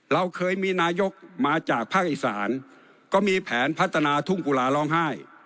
เราเคยมีนายกมาจากภาคอีสานก็มีแผนพัฒนาทุ่งกุลาร้องไห้